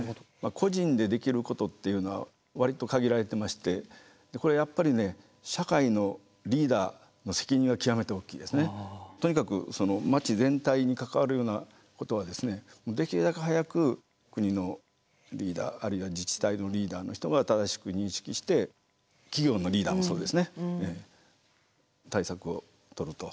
個人でできることっていうのは割と限られてましてこれやっぱりねとにかく街全体に関わるようなことはできるだけ早く国のリーダーあるいは自治体のリーダーの人が正しく認識して企業のリーダーもそうですね対策をとると。